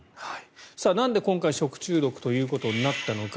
なんで今回食中毒ということになったのか。